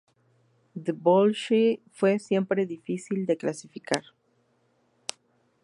The Bolshoi fue siempre difícil de clasificar.